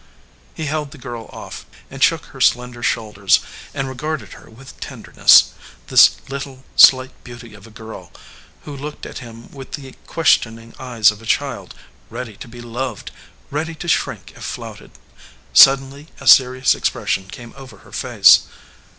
He held the girl off and shook her slender shoul ders and regarded her with tenderness, this little, slight beauty of a girl, who looked at him with the questioning eyes of a child, ready to be loved, ready to shrink if flouted. Suddenly a serious ex pression came over her face.